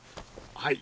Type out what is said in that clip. はい。